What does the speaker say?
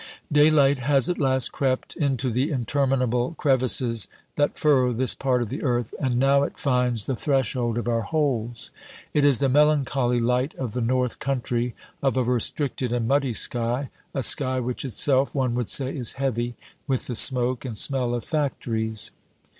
Daylight has at last crept into the interminable crevices that furrow this part of the earth, and now it finds the threshold of our holes. It is the melancholy light of the North Country, of a restricted and muddy sky, a sky which itself, one would say, is heavy with the smoke and smell of factories.